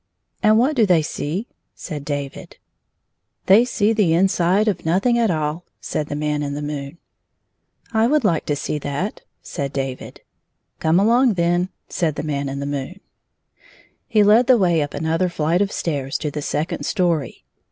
" And what do they see ?" said David. +7 " They see the inside of nothmg at all/' said the Man m the moon. " I would like to see that," said David. " Come along, then," said the Man in the moon. He led the way up another flight of stairs to the second story.